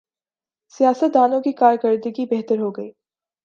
سیاستدانوں کی کارکردگی بہتر ہو گی۔